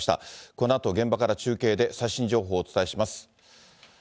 このあと現場から中継で最新情報をお伝えします。